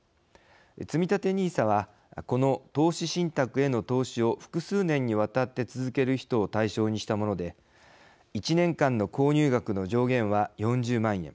つみたてＮＩＳＡはこの投資信託への投資を複数年にわたって続ける人を対象にしたもので１年間の購入額の上限は４０万円。